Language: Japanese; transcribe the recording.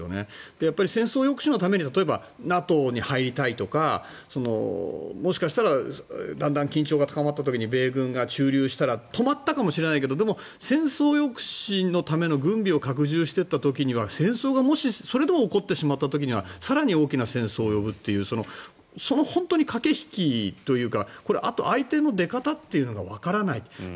やっぱり戦争抑止のためにＮＡＴＯに入りたいとかもしかしたらだんだん緊張が高まった時に米軍が駐留したら止まったかもしれないけどでも、戦争抑止のための軍備を拡充していった時には戦争がもしそれでも起こってしまった時には更に大きな戦争を呼ぶというその本当に駆け引きというかあと、相手の出方というのがわからない。